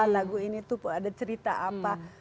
lagu ini tuh ada cerita apa